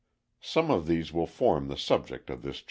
Some of these will form the subject of this chapter.